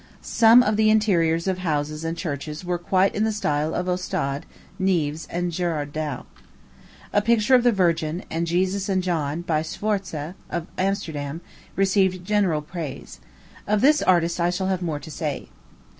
Some of the interiors of houses and churches were quite in the style of Ostade, Neefs, and Gerard Dow. A picture of the Virgin, and Jesus and John, by Schwartze, of Amsterdam, received general praise. Of this artist I shall have more to say.